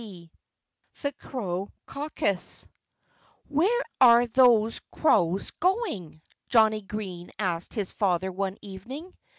XXI THE CROW CAUCUS "Where are all those crows going?" Johnnie Green asked his father one evening.